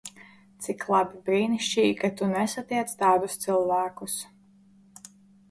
Cik labi, brīnišķīgi, ka tu nesatiec tādus cilvēkus.